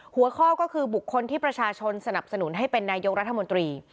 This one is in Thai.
หัวข้อก็คือบุคคลที่ประชาชนสนับสนุนให้เป็นนายกรัฐมนตรี